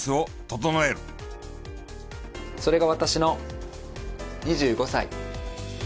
それが私の２５歳。